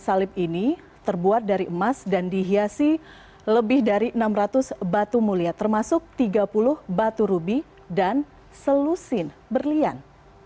salib ini terbuat dari emas dan dihiasi lebih dari enam ratus batu mulia termasuk tiga puluh batu rubi dan selusin berlian